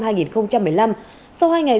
sau hai ngày giải thích